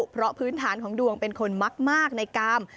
เพราะพื้นฐานของดวงเป็นคนมากในกาม